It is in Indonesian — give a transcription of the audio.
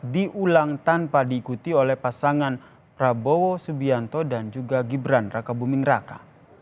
diulang tanpa diikuti oleh pasangan prabowo subianto dan juga gibran raka buming raka